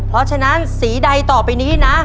เพราะฉะนั้นสีใดต่อไปนี้นะ